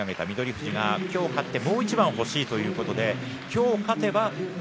富士が今日勝ってもう一番欲しいということで今日勝てば翠